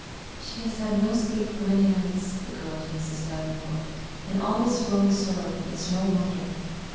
"She has had no sleep for many nights," said the girl to Mrs. Davenport, "and all this woe and sorrow, it's no wonder."